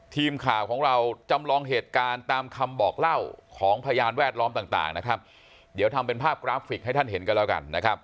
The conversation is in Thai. ทีมข่าวของเราจำลองเหตุการณ์ตามคำบอกเล่าของพยานแวดล้อมต่างนะครับเดี๋ยวทำเป็นภาพกราฟิกให้ท่านเห็นกันแล้วกันนะครับ